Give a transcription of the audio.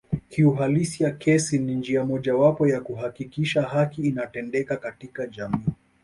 Kiuhalisia kesi ni njia mojawapo ya kuhakikisha haki inatendeka katika jamii